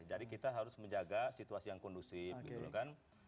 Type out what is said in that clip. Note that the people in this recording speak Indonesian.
jadi kita harus menjaga situasi yang kondusif gitu kan